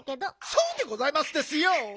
そうでございますですよ！